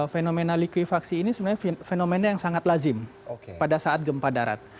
fenomena likuifaksi ini sebenarnya fenomena yang sangat lazim pada saat gempa darat